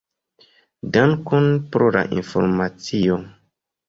Dankon pro la informacio.